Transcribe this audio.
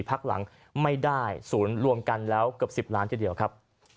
พักหลังไม่ได้ศูนย์รวมกันแล้วเกือบ๑๐ล้านทีเดียวครับ